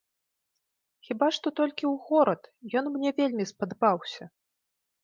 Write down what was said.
Хіба што толькі ў горад, ён мне вельмі спадабаўся.